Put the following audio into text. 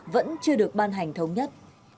vẫn chưa được ban hành thống nhất